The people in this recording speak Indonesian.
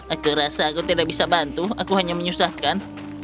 aku rasa aku tidak bisa bantu aku hanya menyusahkan